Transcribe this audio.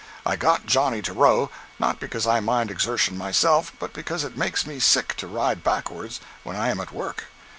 I got Johnny to row—not because I mind exertion myself, but because it makes me sick to ride backwards when I am at work.